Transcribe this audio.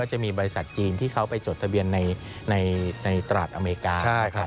ก็จะมีบริษัทจีนที่เขาไปจดทะเบียนในตราสอเมริกา